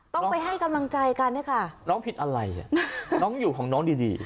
ต้องไปให้กำลังใจกันนะคะน้องผิดอะไรน้องอยู่ของน้องดีดี